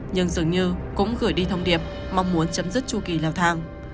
nhưng dường như cũng gửi đi thông điệp mong muốn chấm dứt chu kỳ leo thang